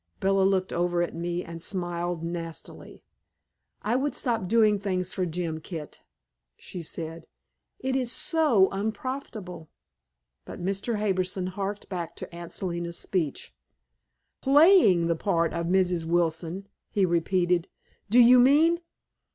Bella looked over at me and smiled nastily. "I would stop doing things for Jim, Kit," she said. "It is SO unprofitable." But Mr. Harbison harked back to Aunt Selina's speech. "PLAYING the part of Mrs. Wilson!" he repeated. "Do you mean